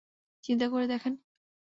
চিন্তা করে দেখেন।